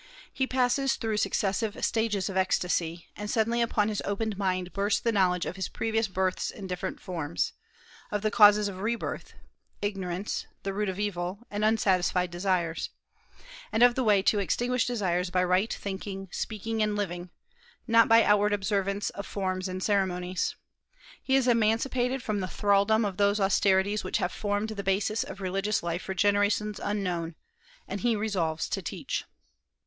He passes through successive stages of ecstasy, and suddenly upon his opened mind bursts the knowledge of his previous births in different forms; of the causes of re birth, ignorance (the root of evil) and unsatisfied desires; and of the way to extinguish desires by right thinking, speaking, and living, not by outward observance of forms and ceremonies. He is emancipated from the thraldom of those austerities which have formed the basis of religious life for generations unknown, and he resolves to teach.